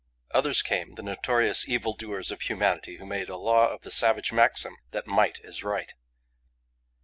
Others came, the notorious evil doers of humanity, who made a law of the savage maxim that might is right.